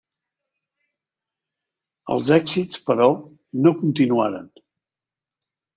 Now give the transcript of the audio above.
Els èxits però no continuaren.